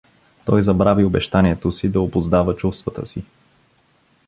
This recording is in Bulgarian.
Той забрави обещанието си да обуздава чувствата си.